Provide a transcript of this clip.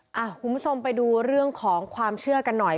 คุณผู้ชมไปดูเรื่องของความเชื่อกันหน่อย